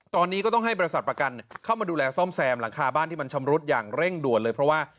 ตอนนี้ก็ต้องให้บริษัทประกันเข้ามาดูแลซ่อมแซมหลังคาบ้านที่มันชำรุดอย่างเร่งด่วนเลยเพราะว่า